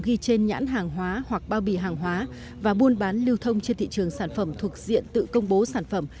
ghi trên nhãn hàng hóa hoặc bao bì hàng hóa và buôn bán lưu thông trên thị trường sản phẩm thuộc diện tự công bố sản phẩm